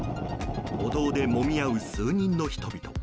歩道でもみ合う数人の人々。